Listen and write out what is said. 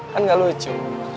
kan gak lucu